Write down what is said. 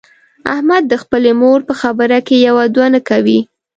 احمد د خپلې مور په خبره کې یو دوه نه کوي.